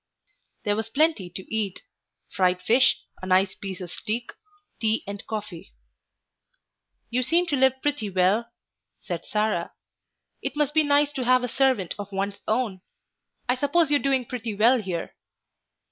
There was plenty to eat fried fish, a nice piece of steak, tea and coffee. "You seem to live pretty well," said Sarah, "It must be nice to have a servant of one's own. I suppose you're doing pretty well here."